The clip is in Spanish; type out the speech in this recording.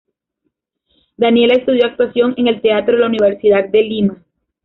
Daniela estudió actuación en el Teatro de la Universidad de Lima.